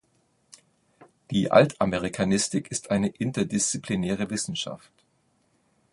Die Altamerikanistik ist eine interdisziplinäre Wissenschaft.